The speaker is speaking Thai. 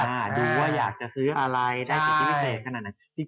ดูว่าอยากจะซื้ออะไรได้สิ่งที่ไม่เท่นขนาดนั้น